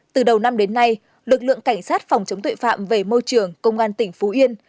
từ đầu năm đến nay lực lượng cảnh sát phòng chống tuệ phạm về môi trường công an tỉnh phú yên